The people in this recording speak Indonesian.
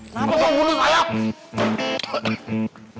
sekarang saya tahu